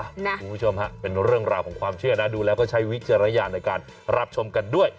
คุณผู้ชมฮะเป็นเรื่องราวของความเชื่อนะดูแล้วก็ใช้วิจารณญาณในการรับชมกันด้วย